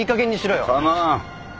構わん。